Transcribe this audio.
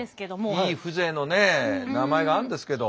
いい風情のね名前があるんですけど。